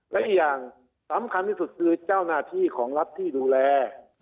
และอีกอย่างสำคัญที่สุดคือเจ้าหน้าที่ของรัฐที่ดูแล